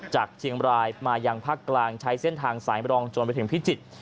เชียงบรายมายังภาคกลางใช้เส้นทางสายมรองจนไปถึงพิจิตร